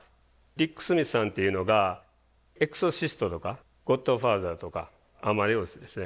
ディック・スミスさんっていうのが「エクソシスト」とか「ゴッドファーザー」とか「アマデウス」ですね